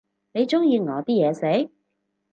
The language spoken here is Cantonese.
你鍾意我啲嘢食？